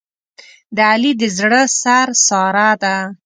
د علي د زړه سر ساره ده.